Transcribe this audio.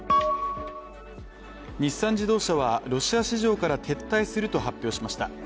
日産自動車はロシア市場から撤退すると発表しました。